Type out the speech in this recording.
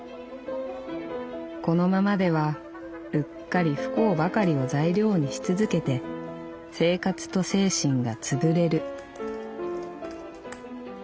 このままではうっかり不幸ばかりを材料にしつづけて生活と精神がつぶれる」。